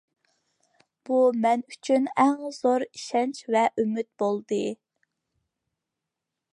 بۇ مەن ئۈچۈن ئەڭ زور ئىشەنچ ۋە ئۈمىد بولدى.